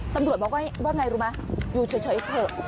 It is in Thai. ตำรวจบอกว่าไงรู้ไหมอยู่เฉยเถอะ